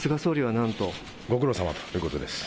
ご苦労さまということです。